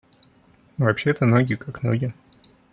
Вообще-то ноги, как ноги.